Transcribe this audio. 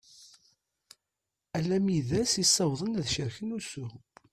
Alammi d ass i ssawḍen ad cerken ussu.